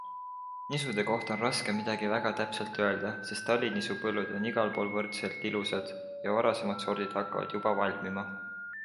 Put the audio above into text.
Nisude kohta on raske midagi väga täpselt öelda, sest talinisu põllud on igal pool võrdselt ilusad ja varasemad sordid hakkavad juba valmima.